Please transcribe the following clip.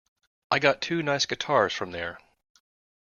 I got two nice guitars from there.